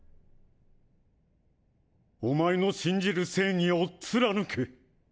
お前の信じる正義を貫け。